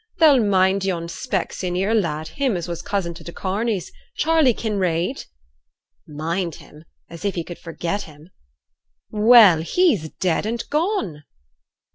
Thou'll mind yon specksioneer lad, him as was cousin to t' Corneys Charley Kinraid?' Mind him! As if he could forget him. 'Well! he's dead and gone.'